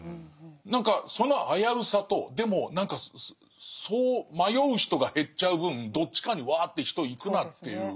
何かその危うさとでもそう迷う人が減っちゃう分どっちかにワーッと人行くなっていう。